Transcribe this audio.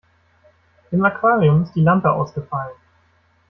Im Aquarium ist die Lampe ausgefallen.